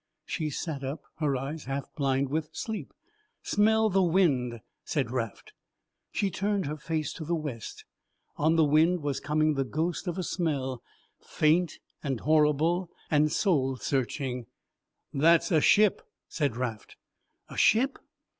She sat up, her eyes half blind with sleep. "Smell the wind!" said Raft. She turned her face to the west. On the wind was coming the ghost of a smell, faint and horrible and soul searching. "That's a ship," said Raft. "A ship!"